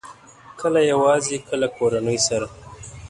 کله یوازې، کله کورنۍ سره